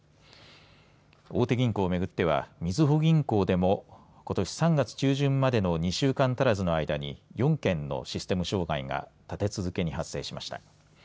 大手銀行を巡ってはみずほ銀行でも、ことし３月中旬までの２週間足らずの間に４件のシステム障害が立て続けに発生しました。